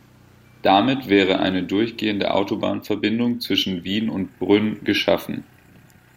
Damit wäre eine durchgehende Autobahnverbindung zwischen Wien und Brünn geschaffen.